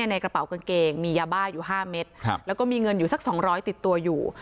ในกระเป๋ากางเกงมียาบ้าอยู่๕เม็ดแล้วก็มีเงินอยู่สัก๒๐๐ติดตัวอยู่